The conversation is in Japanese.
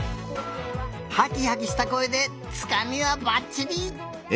ハキハキしたこえでつかみはバッチリ！